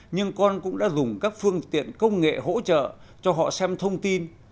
nhưng con cũng đã dùng các phương tiện công nghệ hỗ trợ cho họ xem thông tin